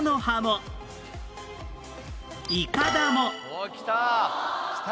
おっきた！